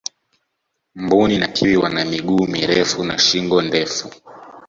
mbuni na kiwi wana miguu mirefu na shingo ndefu